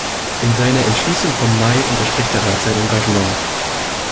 In seiner Entschließung vom Mai unterstrich der Rat sein Engagement.